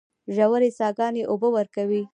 ژورې څاګانې اوبه ورکوي.